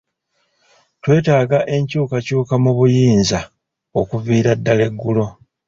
Twetaaga enkyukakyuka mu buyinza okuviira ddala eggulo.